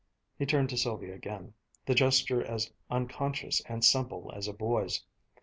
He turned to Sylvia again, the gesture as unconscious and simple as a boy's.